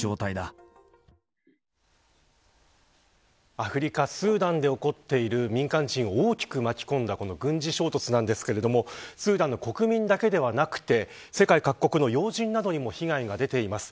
アフリカ、スーダンで起こっている民間人を大きく巻き込んだこの軍事衝突ですがスーダンの国民だけではなくて世界各国の要人などにも被害が出ています。